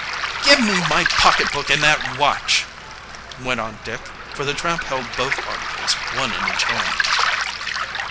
"Give me my pocketbook and that watch!" went on Dick, for the tramp held both articles, one in each hand.